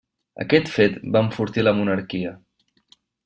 Aquest fet va enfortir la monarquia.